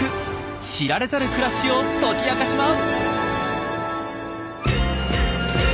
知られざる暮らしを解き明かします。